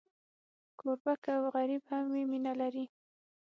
کوربه که غریب هم وي، مینه لري.